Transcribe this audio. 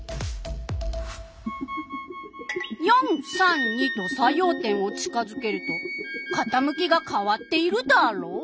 ４３２と作用点を近づけるとかたむきが変わっているダーロ！